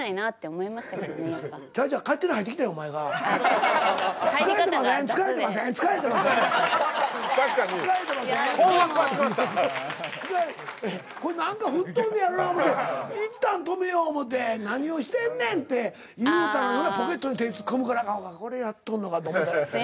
思て一旦止めよう思て「何をしてんねん」って言うたらポケットに手突っ込むからあかんあかんこれやっとんのか思て。